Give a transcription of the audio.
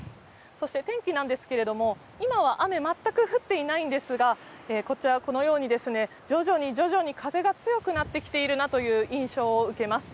そして天気なんですけれども、雨まったく降っていないんですが、こちらはこのようにですね、徐々に徐々に、風が強くなってきているなという印象を受けます。